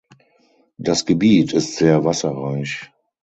Das Gebiet ist sehr wasserreich.